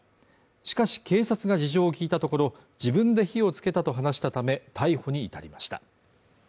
しかし警察が事情を聞いたところ、自分で火をつけたと話したため、逮捕に至りました。